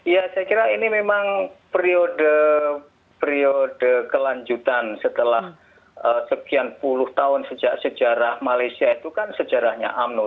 ya saya kira ini memang periode kelanjutan setelah sekian puluh tahun sejak sejarah malaysia itu kan sejarahnya umno